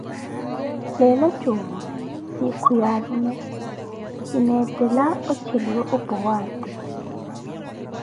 leelo juumwa, siikhu ya alume, kineettela ocheliwa o powaati.